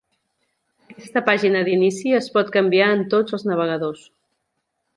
Aquesta pàgina d'inici es pot canviar en tots els navegadors.